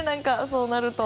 そうなると。